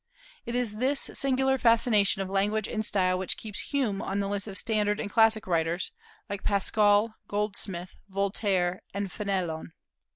It is this singular fascination of language and style which keeps Hume on the list of standard and classic writers, like Pascal, Goldsmith, Voltaire, and Fénelon.